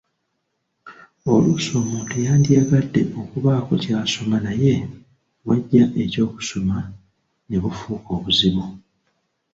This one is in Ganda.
Oluusi omuntu yandiyagadde okubaako ky'asoma naye w'aggya eky'okusoma ne bufuuka obuzibu.